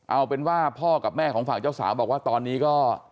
เอาเป็นว่าพ่อกับแม่ของฝั่งเจ้าสาวบอกว่าตอนนี้ก็